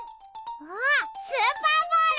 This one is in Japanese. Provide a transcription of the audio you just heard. あっスーパーボール！